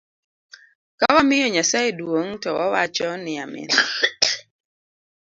Kawamiyo Nyasaye duong to wawacho ni amin.